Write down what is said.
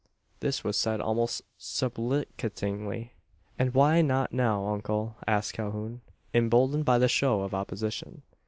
This was said almost supplicatingly. "And why not now, uncle?" asked Calhoun, emboldened by the show of opposition.